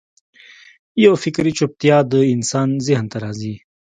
یوه فکري چوپتیا د انسان ذهن ته راځي.